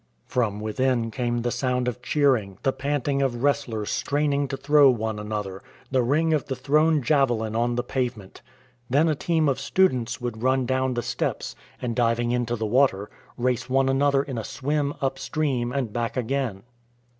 From within came the sound of cheering, the pant ing of wrestlers straining to throw one another, the ring of the thrown javelin on the pavement. Then a team of students would run down the steps and, diving THE LOOM OF THE TENT MAKER 37 into the water, race one another in a swim up stream and back again.